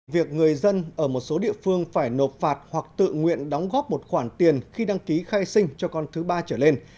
việc người dân ở một số địa phương phải nộp phạt hoặc tự nguyện đóng góp một khoản tiền khi đăng ký khai sinh cho con thứ ba trở lên